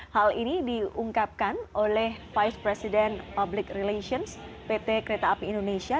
hal ini diungkapkan oleh vice president public relations pt kereta api indonesia